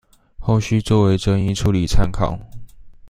後續作為爭議處理參考